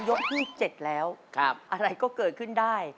ยกที่๗แล้วอะไรก็เกิดขึ้นได้